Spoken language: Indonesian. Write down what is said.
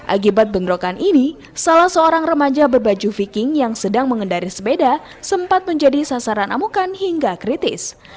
akibat bentrokan ini salah seorang remaja berbaju viking yang sedang mengendari sepeda sempat menjadi sasaran amukan hingga kritis